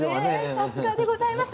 さすがでございます！